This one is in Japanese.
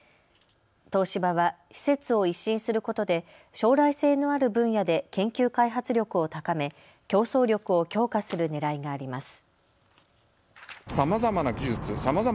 東芝は施設を一新することで将来性のある分野で研究開発力を高め競争力を強化するねらいがあります。